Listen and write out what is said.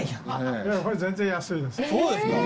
これ全然安いです。